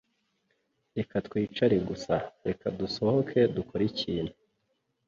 Reka twicare gusa. Reka dusohoke dukore ikintu.